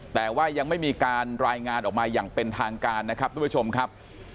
แต่ว่ายังไม่มีการรายงานออกมาอย่างเป็นทางการนะครับทุกผู้ชมครับ